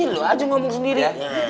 lo aja ngomong sendiri